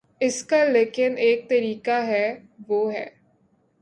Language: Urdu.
اس کا لیکن ایک طریقہ ہے، وہ ہے۔